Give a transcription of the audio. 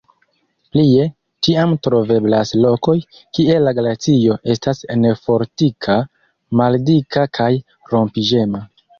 Plie, ĉiam troveblas lokoj, kie la glacio estas nefortika, maldika kaj rompiĝema.